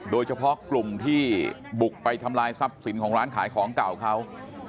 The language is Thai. โดยเฉพาะกลุ่มที่บุกไปทำลายทรัพย์สินของร้านขายของเก่าเขา